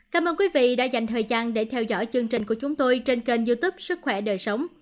cảm ơn quý vị đã dành thời gian để theo dõi chương trình của chúng tôi trên kênh youtube sức khỏe đời sống